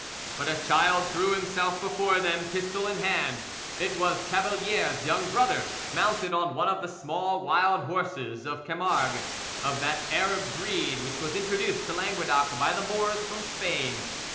But a child threw himself before them, pistol in hand. It was Cavalier's young brother, mounted on one of the small wild horses of Camargues of that Arab breed which was introduced into Languedoc by the Moors from Spain.